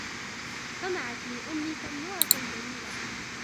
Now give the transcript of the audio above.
صنعت لي أمي تنورة جميلة.